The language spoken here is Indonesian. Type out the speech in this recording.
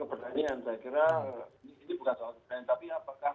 keberanian saya kira ini bukan soal keberanian